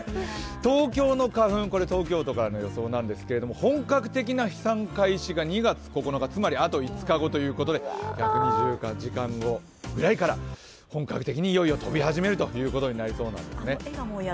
東京の花粉、これ東京都からの予想なんですけれども、本格的な飛散開始が２月９日、つまりあと５日後ということで１２０時間後ぐらいから本格的にいよいよ飛び始めるということになりそうですね。